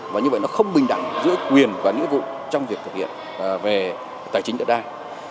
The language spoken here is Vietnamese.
và như vậy nó không bình đẳng giữa quyền và nghĩa vụ trong việc thực hiện về tài chính đất đai